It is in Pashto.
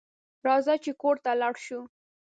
راځه چې کور ته لاړ شو